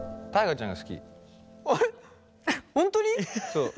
そう。